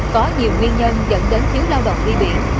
có nhiều nguyên nhân dẫn đến thiếu lao động đi biển